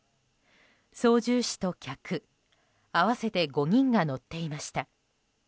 操縦士と客合わせて５人が乗っていました。